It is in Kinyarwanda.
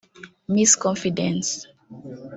Miss Confidence